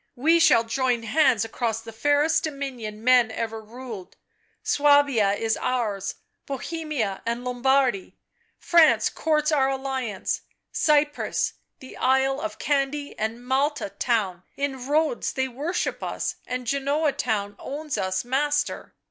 — we shall join hands across the fairest dominion men ever ruled, Suabia, is curs, Bohemia and Lombardy, France courts our alliance, Cyprus, the isle of Candy and Malta town, in Rhodes they worship us, and Genoa town owns us master!"